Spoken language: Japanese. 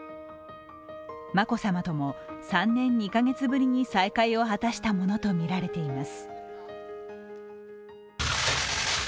眞子さまとも３年２カ月ぶりに再会を果たしたものとみられています。